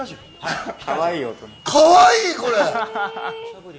かわいい、これ！